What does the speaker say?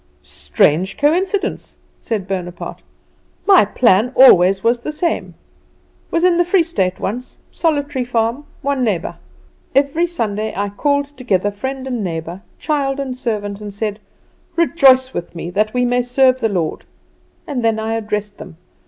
"Strange coincidence," said Bonaparte; "my plan always was the same. Was in the Free State once solitary farm one neighbour. Every Sunday I called together friend and neighbour, child and servant, and said, 'Rejoice with me, that we may serve the Lord,' and then I addressed them.